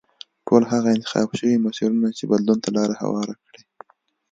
ټول هغه انتخاب شوي مسیرونه چې بدلون ته لار هواره کړه.